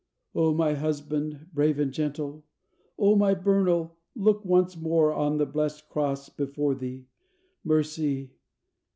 Oh, my husband, brave and gentle! O my Bernal, look once more On the blessed cross before thee! Mercy!